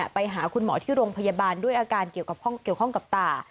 ไปหาคุณหมอที่โรงพยาบาลด้วยอาการเกี่ยวข้องกับตา